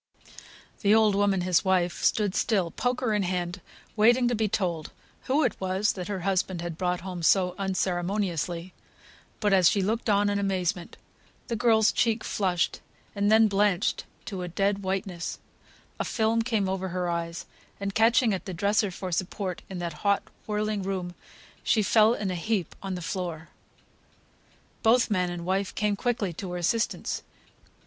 The old woman, his wife, stood still, poker in hand, waiting to be told who it was that her husband had brought home so unceremoniously; but, as she looked in amazement the girl's cheek flushed, and then blanched to a dead whiteness; a film came over her eyes, and catching at the dresser for support in that hot whirling room, she fell in a heap on the floor. Both man and wife came quickly to her assistance.